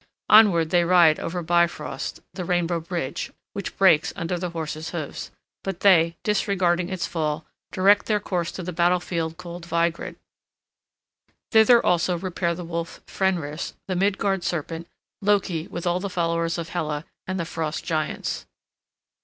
Onward they ride over Bifrost, the rainbow bridge, which breaks under the horses' hoofs. But they, disregarding its fall, direct their course to the battlefield called Vigrid. Thither also repair the wolf Fenris, the Midgard serpent, Loki with all the followers of Hela, and the Frost giants.